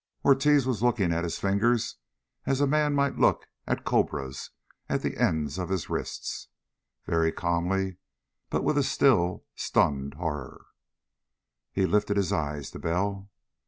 Ortiz was looking at his fingers as a man might look at cobras at the ends of his wrists. Very calmly, but with a still, stunned horror. He lifted his eyes to Bell.